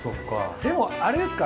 でもあれですか？